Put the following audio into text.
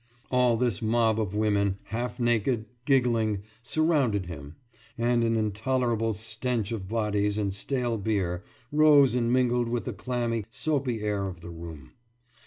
All this mob of women, half naked, giggling, surrounded him; and an intolerable stench of bodies and stale beer rose and mingled with the clammy, soapy air of the room.